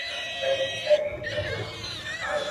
دا د هنر او علم يوه په زړه پورې اړيکه ده.